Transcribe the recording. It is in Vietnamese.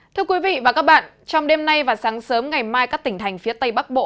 thưa quý vị và các bạn trong đêm nay và sáng sớm ngày mai các tỉnh thành phía tây bắc bộ